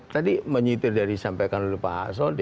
tadi menyitir dari sampaikan oleh pak sodi